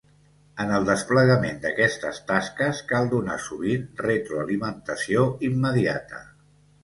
En el desplegament d’aquestes tasques cal donar sovint retroalimentació immediata.